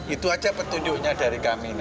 itu aja petunjuknya dari kami